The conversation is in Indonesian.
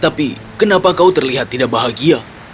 tapi kenapa kau terlihat tidak bahagia